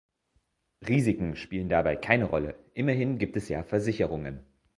Risiken spielen dabei keine Rolle, immerhin gibt es ja Versicherungen.